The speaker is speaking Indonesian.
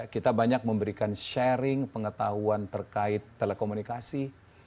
kita banyak memberikan sharing pengetahuan terkait telekomunikasi